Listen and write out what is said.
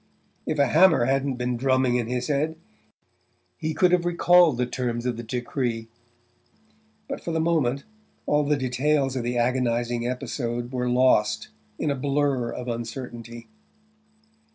If a hammer hadn't been drumming in his head he could have recalled the terms of the decree but for the moment all the details of the agonizing episode were lost in a blur of uncertainty.